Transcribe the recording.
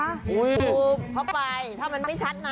ตูมเข้าไปถ้ามันไม่ชัดนะ